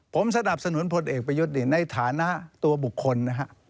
ผมสนับสนุนพลเอกประยุทธ์ในฐานะตัวบุคคลนะครับ